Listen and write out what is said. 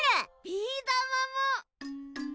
ビーだまも！